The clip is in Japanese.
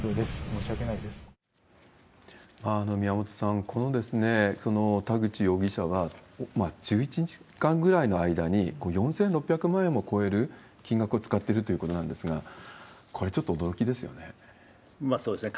申し訳ないで宮本さん、この田口容疑者は、１１日間ぐらいの間に、４６００万円を超える金額を使ってるということなんですが、これ、そうですね。